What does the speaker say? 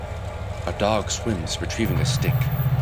A dog swims retrieving a stick.